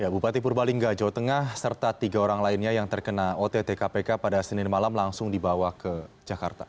bupati purbalingga jawa tengah serta tiga orang lainnya yang terkena ott kpk pada senin malam langsung dibawa ke jakarta